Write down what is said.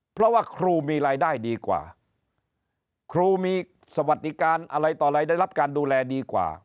เพราะว่าครูมีรายได้ดีกว่าครูมีสวัสดิการอะไรต่ออะไรได้รับการดูแลดีกว่า